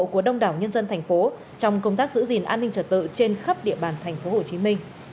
của đông đảo nhân dân thành phố trong công tác giữ gìn an ninh trật tự trên khắp địa bàn tp hcm